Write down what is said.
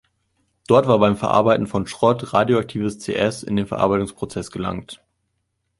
Dort war beim Verarbeiten von Schrott radioaktives Cs in den Verarbeitungsprozess gelangt.